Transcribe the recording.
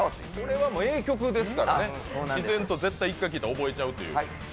これは名曲ですからね、自然と一回聴いたら覚えるという。